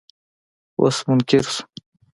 اوس منکر شو.